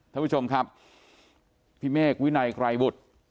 ท่านผู้ชมครับพี่เมฆวินัยไกรบุตร